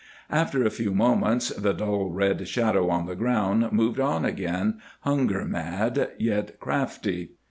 After a few moments the dull red shadow on the ground moved on again, hunger mad, yet crafty.